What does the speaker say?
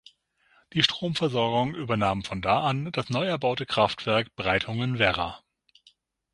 Die Stromversorgung übernahm von da an das neuerbaute Kraftwerk Breitungen-Werra.